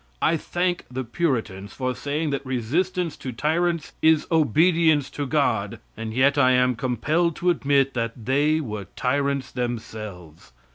I thank the Puritans for saying that resistance to tyrants is obedience to God, and yet I am compelled to admit that they were tyrants themselves.